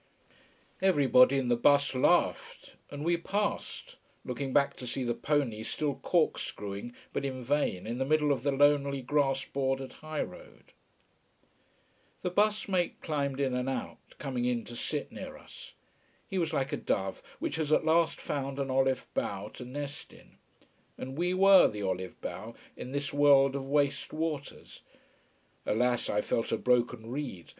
Everybody in the bus laughed, and we passed, looking back to see the pony still corkscrewing, but in vain, in the middle of the lonely, grass bordered high road. The bus mate climbed in and out, coming in to sit near us. He was like a dove which has at last found an olive bough to nest in. And we were the olive bough in this world of waste waters. Alas, I felt a broken reed.